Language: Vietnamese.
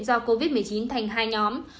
do covid một mươi chín thành hai nhóm